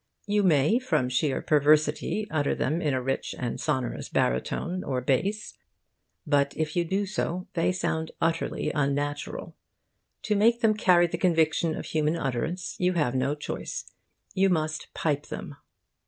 You may, from sheer perversity, utter them in a rich and sonorous baritone or bass. But if you do so, they sound utterly unnatural. To make them carry the conviction of human utterance, you have no choice: you must pipe them.